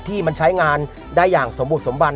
ที่มันใช้งานได้อย่างสมบูสมบัน